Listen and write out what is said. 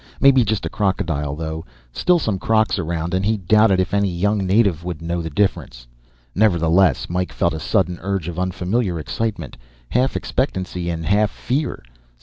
Maybe just a crocodile, though. Still some crocs around. And he doubted if a young native would know the difference. Nevertheless, Mike felt a sudden surge of unfamiliar excitement, half expectancy and half fear.